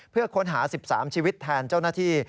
เพื่อค้นหา๑๓ชีวิตแทนเจ้าหน้าที่